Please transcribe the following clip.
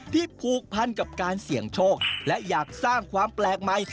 ผูกพันกับการเสี่ยงโชคและอยากสร้างความแปลกใหม่